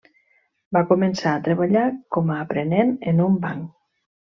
Va començar a treballar com a aprenent en un banc.